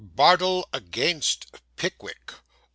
Bardell against Pickwick.